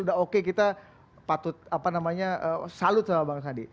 udah oke kita patut salut sama bang sandi